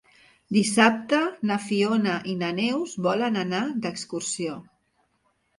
Dissabte na Fiona i na Neus volen anar d'excursió.